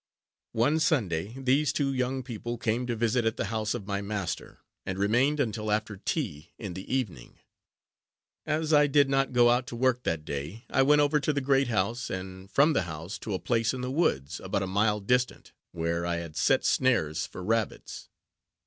One Sunday, these two young people came to visit at the house of my master, and remained until after tea in the evening. As I did not go out to work that day, I went over to the great house, and from the house to a place in the woods, about a mile distant, where I had set snares for rabbits.